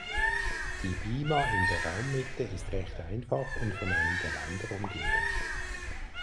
Die Bima in der Raummitte ist recht einfach und von einem Geländer umgeben.